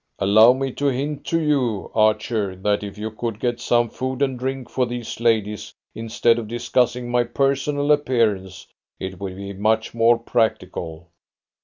"Allow me to hint to you, Archer, that if you could get some food and drink for these ladies, instead of discussing my personal appearance, it would be much more practical."